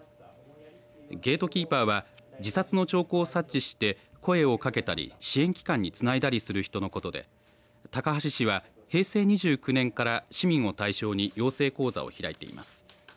ゲートキーパーは自殺の兆候を察知して声をかけたり支援機関につないだりする人のことで高梁市は、平成２９年から市民を対象に養成講座を開いています。